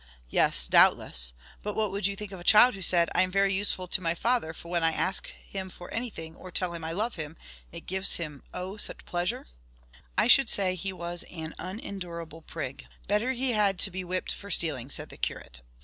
"Yes, doubtless; but what would you think of a child who said, 'I am very useful to my father, for when I ask him for anything, or tell him I love him, it gives him oh, such pleasure!'?" "I should say he was an unendurable prig. Better he had to be whipped for stealing!" said the curate.